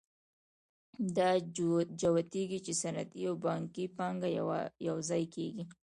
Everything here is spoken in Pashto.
دا جوتېږي چې صنعتي او بانکي پانګه یوځای کېږي